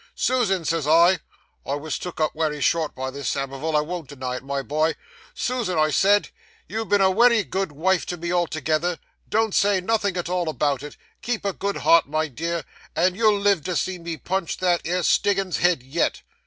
'"Susan," says I I wos took up wery short by this, Samivel; I von't deny it, my boy "Susan," I says, "you've been a wery good vife to me, altogether; don't say nothin' at all about it; keep a good heart, my dear; and you'll live to see me punch that 'ere Stiggins's head yet."